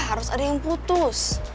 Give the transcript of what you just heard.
harus ada yang putus